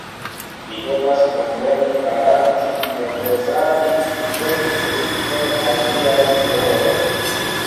Vi devas kunveni, barakti, negocadi, ricevi kritikojn al viaj ideoj.